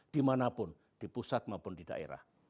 dimanapun di pusat maupun di daerah